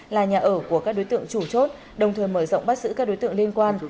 là nhà ở của các đối tượng chủ chốt đồng thời mở rộng bắt giữ các đối tượng liên quan